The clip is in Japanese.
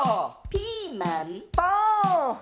ピーマン、パオン